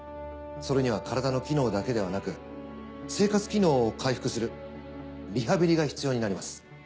それには体の機能だけではなく生活機能を回復するリハビリが必要になります。